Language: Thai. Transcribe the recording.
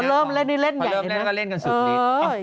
พอเริ้มล่ะเรื่อยก็เล่นกันสุดนี้